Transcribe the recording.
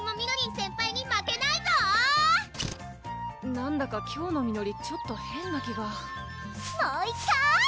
なんだか今日のみのりちょっと変な気がもういっかい！